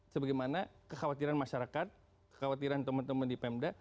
sebagai mana kekhawatiran masyarakat kekhawatiran teman teman di pemda